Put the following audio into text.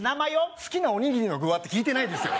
「好きなおにぎりの具は？」って聞いてないですよ